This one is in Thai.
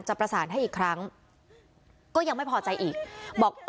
ประสานให้อีกครั้งก็ยังไม่พอใจอีกบอก